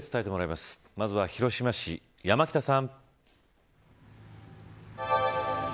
まずは広島市、山北さん。